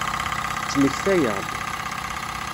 Ttmektayeɣ-d.